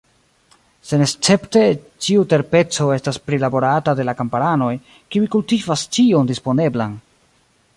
Senescepte, ĉiu terpeco estas prilaborata de la kamparanoj, kiuj kultivas ĉion disponeblan.